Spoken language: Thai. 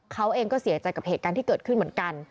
เขาเองก็เสียใจกับเหตุการณ์ที่เกิดขึ้นเหมือนกัน